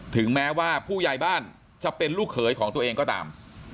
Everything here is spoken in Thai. ถึงแม้ว่าผู้ใหญ่บ้านจะเป็นลูกเขยของตัวเองก็ตาม